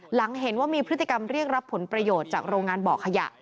หลังเห็นว่ามีพฤติกรรมเรียกรับผลประโยชน์จากโรงงานบ่อขยะ